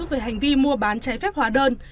về hành vi mua bán trái phép hòa đơn